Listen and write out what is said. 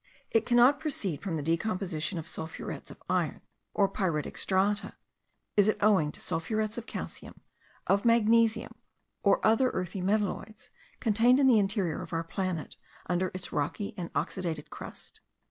It cannot proceed from the decomposition of sulphurets of iron, or pyritic strata. Is it owing to sulphurets of calcium, of magnesium, or other earthy metalloids, contained in the interior of our planet, under its rocky and oxidated crust?